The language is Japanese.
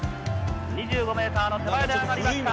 ２５メーターの手前で上がりました。